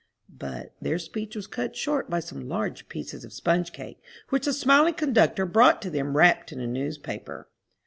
But their speech was cut short by some large pieces of sponge cake, which the smiling conductor brought to them wrapped in a newspaper.